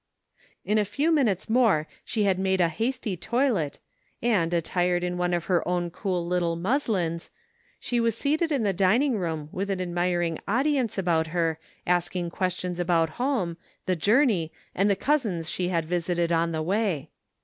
In a few minutes more she had made a hasty toilet and, attired in one of her own cool little muslins, she was seated in the dining room with an admiring audi ence about her asking questions about home, the jour ney and the cousins she had visited on the way.